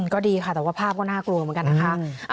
ก็ดีค่ะแต่ว่าภาพก็น่ากลัวเหมือนกันนะคะ